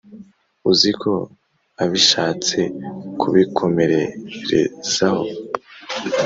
uziko abishatse yabikomererezaho